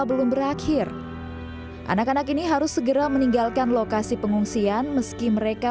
belum berakhir anak anak ini harus segera meninggalkan lokasi pengungsian meski mereka